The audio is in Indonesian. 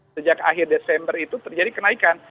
sejak akhir desember itu terjadi kenaikan